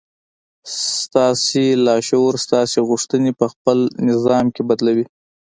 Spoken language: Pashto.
ستاسې لاشعور ستاسې غوښتنې پهخپل نظام کې بدلوي